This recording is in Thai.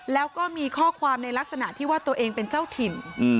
แล้วก็มีข้อความในลักษณะที่ว่าตัวเองเป็นเจ้าถิ่น